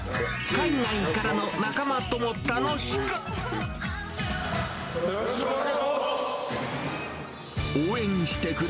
海外からの仲間とも楽しく。